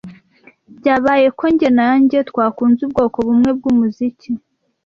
Byabaye ko njye na njye twakunze ubwoko bumwe bwumuziki.